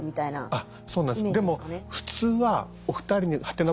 あっそうなんです。